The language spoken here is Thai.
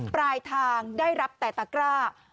ปลายทางได้รับแต่ตะกร้า